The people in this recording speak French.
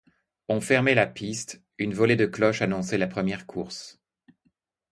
On fermait la piste, une volée de cloche annonçait la première course.